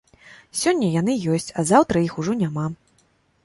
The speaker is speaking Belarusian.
Сёння яны ёсць, а заўтра іх ужо няма.